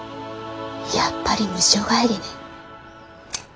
やっぱりムショ帰りね。